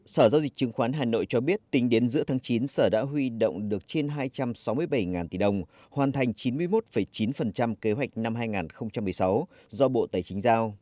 sở giao dịch chứng khoán hà nội cho biết tính đến giữa tháng chín sở đã huy động được trên hai trăm sáu mươi bảy tỷ đồng hoàn thành chín mươi một chín kế hoạch năm hai nghìn một mươi sáu do bộ tài chính giao